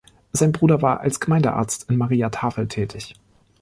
Sein Bruder war als Gemeindearzt in Maria Taferl tätig.